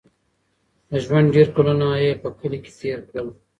د ژوند ډېر کلونه یې په کلي کې تېر کړل.